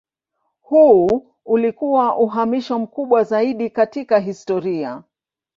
Huu ulikuwa uhamisho mkubwa zaidi katika historia.